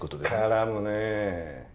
絡むねえ。